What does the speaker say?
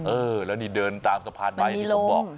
เออแล้วนี่เดินตามสะพานไม้ที่ผมบอก